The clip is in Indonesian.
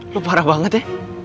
lo parah banget ya